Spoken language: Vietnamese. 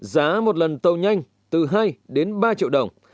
giá một lần tàu nhanh từ hai đến ba triệu đồng